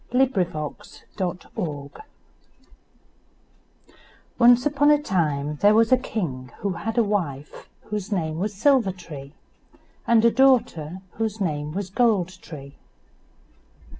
GOLD TREE AND SILVER TREE Once upon a time there was a king who had a wife, whose name was Silver tree, and a daughter, whose name was Gold tree.